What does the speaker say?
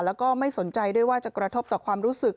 แล้วก็ไม่สนใจด้วยว่าจะกระทบต่อความรู้สึก